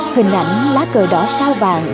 hình ảnh lá cờ đỏ sao vàng